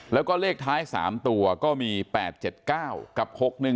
แล้วก็เลขท้าย๓ตัวก็มี๘๗๙กับ๖๑๒